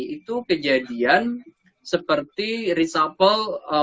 itu kejadian seperti resupple